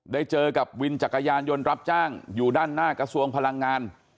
เจอกับวินจักรยานยนต์รับจ้างอยู่ด้านหน้ากระทรวงพลังงาน